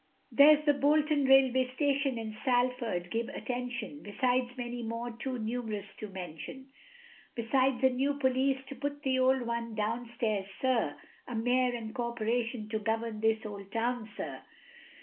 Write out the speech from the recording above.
There's the Bolton railway station in Salford, give attention, Besides many more too numerous to mention; Besides a new Police, to put the old ones down stairs, sir, A mayor and corporation to govern this old town, sir.